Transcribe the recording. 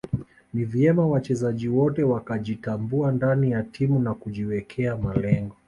Ni vyema wachezaji wote wakajitambua ndani ya timu na kujiwekea malengo